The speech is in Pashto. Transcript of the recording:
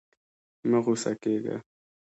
مه غوسه کېږه.